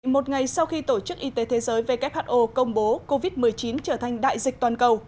một ngày sau khi tổ chức y tế thế giới who công bố covid một mươi chín trở thành đại dịch toàn cầu